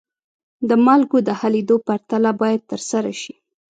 د مالګو د حلیدو پرتله باید ترسره شي.